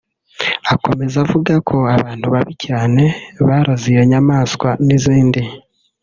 " Akomeza avuga ko ’abantu babi cyane’ baroze iyo nyamaswa n’izindi